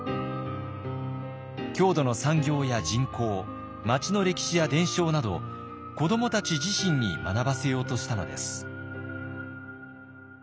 郷土の産業や人口町の歴史や伝承など子どもたち自身に学ばせようとしたのです。